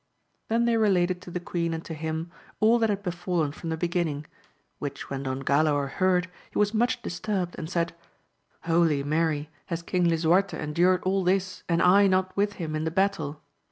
Then they related to the queen and to him all that had befallen from the beginning, which when Don Galaor heard he was much disturbed, and said, Holy Mary ! 264 AMADIS OF GAUL. has King Lisuarte endured all this, and I not with him in the battle